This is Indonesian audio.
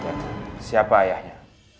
jawabnya siapa ayahnya